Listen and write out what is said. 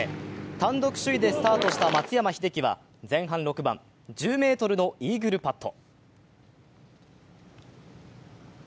単独首位でスタートした松山英樹は前半６番、１０ｍのイーグルパット。